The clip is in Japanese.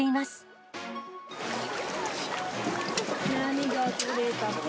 何が取れたかな。